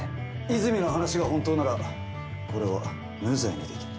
泉の話が本当ならこれは無罪にできる。